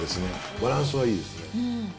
バランスがいいですね。